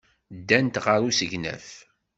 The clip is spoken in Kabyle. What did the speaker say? Ddant ɣer usegnaf.